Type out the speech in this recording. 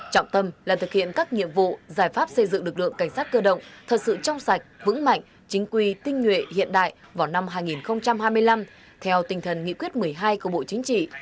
trọng tâm là thực hiện các nhiệm vụ giải pháp xây dựng lực lượng cảnh sát cơ động thật sự trong sạch vững mạnh chính quy tinh nguyện hiện đại vào năm hai nghìn hai mươi năm theo tinh thần nghị quyết một mươi hai của bộ chính trị